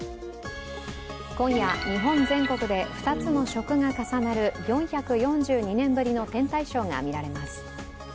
今夜、日本全国で２つの食が重なる４４２年ぶりの天体ショーが見られます。